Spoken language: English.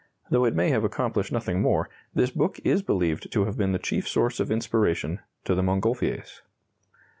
Though it may have accomplished nothing more, this book is believed to have been the chief source of inspiration to the Montgolfiers.